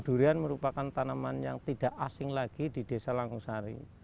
durian merupakan tanaman yang tidak asing lagi di desa langusari